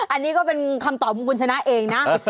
อันนี้ก็เป็นคำตอบของคุณชนะเองนะ